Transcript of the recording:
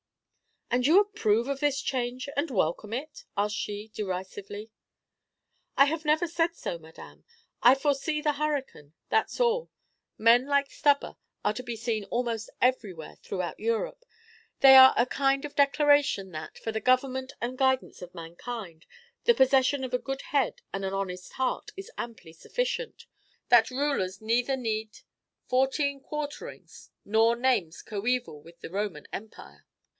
"And you approve of this change, and welcome it?" asked she, derisively. "I have never said so, madame. I foresee the hurricane, that's all. Men like Stubber are to be seen almost everywhere throughout Europe. They are a kind of declaration that, for the government and guidance of mankind, the possession of a good head and an honest heart is amply sufficient; that rulers neither need fourteen quarterings nor names coeval with the Roman Empire."